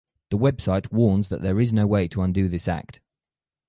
The website warns that there is no way to undo this act.